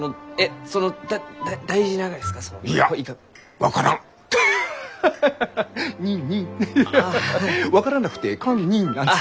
分からなくてカンニンなんつって。